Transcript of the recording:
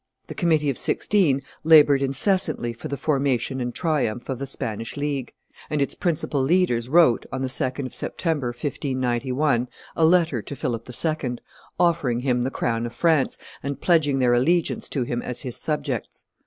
The Committee of Sixteen labored incessantly for the formation and triumph of the Spanish League; and its principal leaders wrote, on the 2d of September, 1591, a letter to Philip II., offering him the crown of France, and pledging their allegiance to him as his subjects.